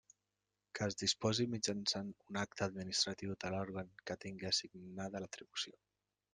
Que es disposi mitjançant un acte administratiu de l'òrgan que tingui assignada l'atribució.